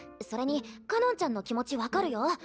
それにかのんちゃんの気持ち分かるよ。